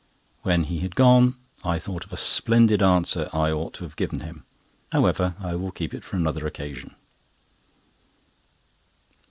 When he had gone, I thought of a splendid answer I ought to have given him. However, I will keep it for another occasion.